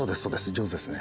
上手ですね